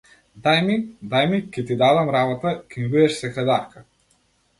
Дај ми, дај ми, ќе ти дадам работа, ќе ми бидеш секретарка!